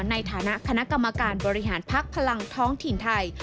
ในฐานะคณะกรรมการบริหารพักพลังท้องถิ่นไทย